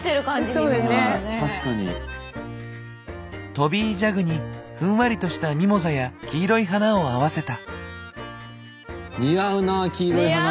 トビージャグにふんわりとしたミモザや黄色い花を合わせた。